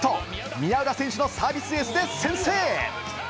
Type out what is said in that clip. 宮浦選手のサービスエースで先制。